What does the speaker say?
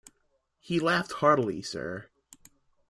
He laughed heartily, sir.